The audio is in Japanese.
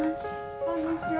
こんにちは。